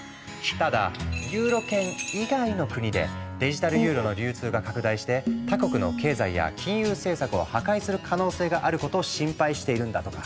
ただユーロ圏以外の国でデジタルユーロの流通が拡大して他国の経済や金融政策を破壊する可能性があることを心配しているんだとか。